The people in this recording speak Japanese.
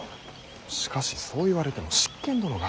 しかしそう言われても執権殿が。